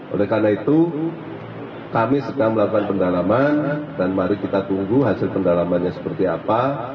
oleh karena itu kami sedang melakukan pendalaman dan mari kita tunggu hasil pendalamannya seperti apa